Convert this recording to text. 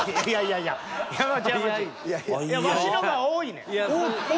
いやワシの方が多いねん。